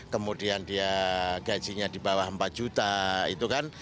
kemudian dia gajinya di bawah empat juta itu kan